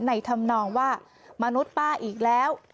ทำนองว่ามนุษย์ป้าอีกแล้ว